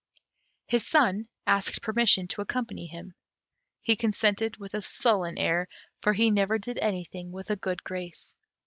His son asked permission to accompany him; he consented with a sullen air, for he never did anything with a good grace.